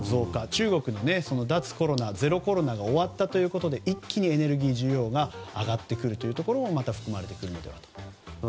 中国の脱コロナゼロコロナが終わったことで一気にエネルギー需要が上がってくるということもまた含まれてくると。